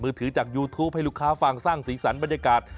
ถือจากยูทูปให้ลูกค้าฟังสร้างสีสันบรรยากาศ